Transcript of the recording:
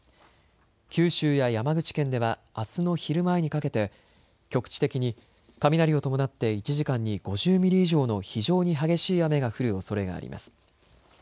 九州や山口県ではあすの昼前にかけて局地的に雷を伴って１時間に５０ミリ以上の非常に激しい雨が降るおそれがあります。